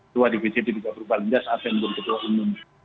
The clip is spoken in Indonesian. dua dpcp di p tiga berubah lingga saat p tiga berubah lingga